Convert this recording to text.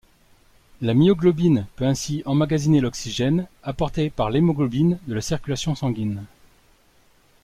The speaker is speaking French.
La myoglobine peut ainsi emmagasiner l'oxygène apporté par l'hémoglobine de la circulation sanguine.